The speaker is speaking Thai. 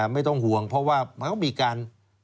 ไม่ต้องห่วงเพราะว่ามันก็มีการ